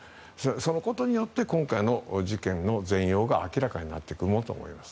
そのことによって今回の事件の全容が明らかになっていくものと思います。